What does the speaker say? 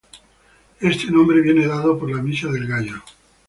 Este nombre viene dado por la misa del gallo.